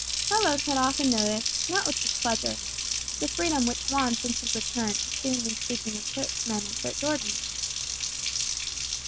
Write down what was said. Carlos had often noticed, not with displeasure, the freedom which Juan since his return assumed in speaking of Churchmen and Church ordinances.